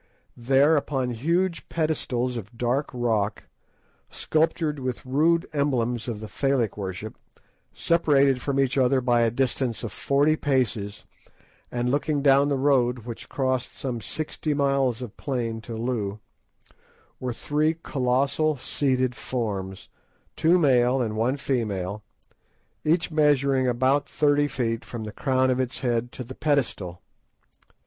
There, upon huge pedestals of dark rock, sculptured with rude emblems of the Phallic worship, separated from each other by a distance of forty paces, and looking down the road which crossed some sixty miles of plain to Loo, were three colossal seated forms—two male and one female—each measuring about thirty feet from the crown of its head to the pedestal.